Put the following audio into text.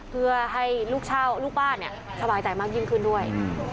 เพื่อให้ลูกเช่าลูกบ้านสบายใจมากยิ่งขึ้นด้วย